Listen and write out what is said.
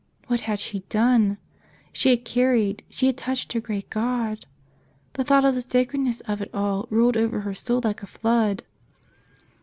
What had she done ! She had carried, she had touched her great God ! The thought of the sacredness of it all rolled over her soul like a flood.